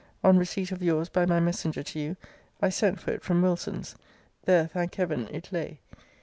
On receipt of your's by my messenger to you, I sent for it from Wilson's. There, thank Heaven! it lay.